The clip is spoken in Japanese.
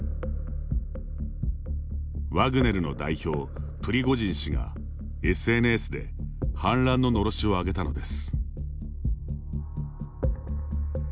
ワグネルの代表、プリゴジン氏がＳＮＳで反乱の、のろしを上げたのです。